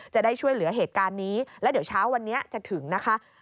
จะได้ช่วยเหลือเหตุการณ์นี้แล้วเดี๋ยวเช้าวันนี้จะถึงนะคะ